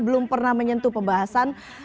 belum pernah menyentuh pembahasan